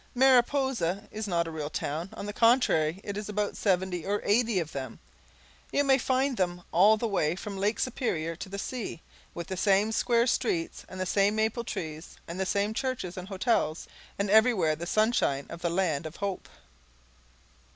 Mariposa is not a real town. On the contrary, it is about seventy or eighty of them. You may find them all the way from Lake Superior to the sea, with the same square streets and the same maple trees and the same churches and hotels, and everywhere the sunshine of the land of hope.